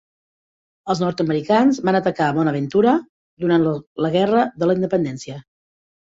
Els nord-americans van atacar Bonaventura durant la Guerra de la Independència.